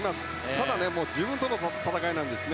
ただ、自分との戦いなんですね。